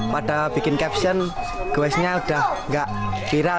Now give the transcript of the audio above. pada bikin caption guesnya sudah tidak viral